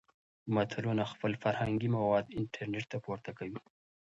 ملتونه خپل فرهنګي مواد انټرنټ ته پورته کوي.